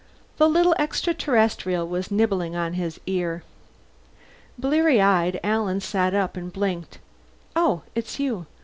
The little extra terrestrial was nibbling on his ear. Bleary eyed, Alan sat up and blinked. "Oh it's you.